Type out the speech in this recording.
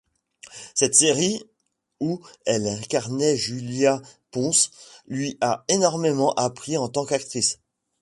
Cette série où elle incarnait Julia Ponce lui a énormément appris en tant qu'actrice.